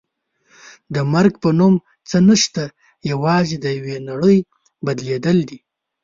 د مرګ په نوم څه نشته یوازې د یوې نړۍ بدلېدل دي.